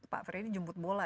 pak ferry ini jemput bola